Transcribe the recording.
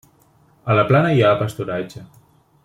A la plana hi ha pasturatge.